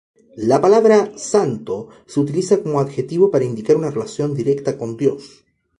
La palabra "santo" se utiliza como adjetivo para indicar una relación directa con Dios.